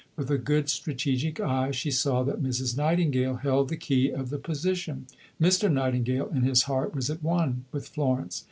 With a good strategic eye, she saw that Mrs. Nightingale held the key of the position. Mr. Nightingale in his heart was at one with Florence.